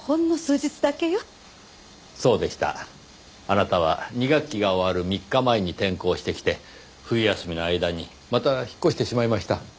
あなたは二学期が終わる３日前に転校してきて冬休みの間にまた引っ越してしまいました。